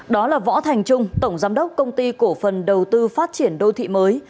đó là võ thành trung tổng giám đốc công ty cổ phần đầu tư phát triển đô thị mới